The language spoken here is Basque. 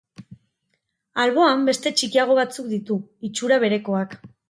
Alboan, beste txikiago batzuk ditu, itxura berekoak.